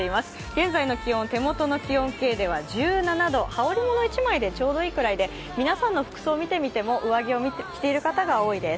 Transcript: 現在の気温、手元の気温計では１７度、羽織りもの１枚でちょうどいいくらいで皆さんの服装、見てみても、上着を着ている方が多いです。